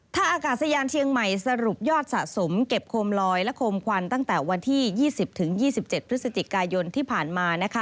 ถ้าอากาศยานเชียงใหม่สรุปยอดสะสมเก็บโคมลอยและโคมควันตั้งแต่วันที่๒๐๒๗พฤศจิกายนที่ผ่านมา